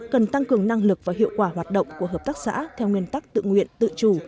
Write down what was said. cần tăng cường năng lực và hiệu quả hoạt động của hợp tác xã theo nguyên tắc tự nguyện tự chủ